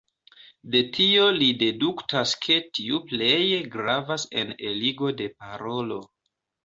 De tio li deduktas ke tiu pleje gravas en eligo de parolo.